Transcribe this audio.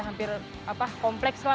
hampir kompleks lah